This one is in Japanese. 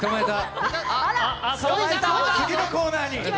次のコーナーに。